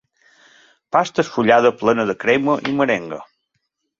Pasta esfullada plena de crema i merenga